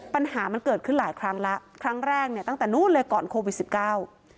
ปัญหามันเกิดขึ้นหลายครั้งแล้วครั้งแรกเนี่ยตั้งแต่นู้นเลยก่อนโควิดสิบเก้า